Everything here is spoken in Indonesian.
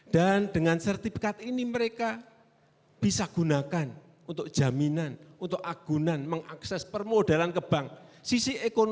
dan dengan sertifikat ini mereka bisa gunakan untuk jaminan untuk agunan mengakses permodalan ke bank